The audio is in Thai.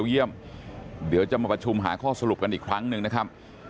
เยี่ยมเดี๋ยวจะมาประชุมหาข้อสรุปกันอีกครั้งหนึ่งนะครับ